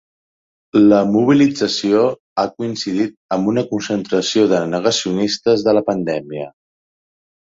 La mobilització ha coincidit amb una concentració de negacionistes de la pandèmia.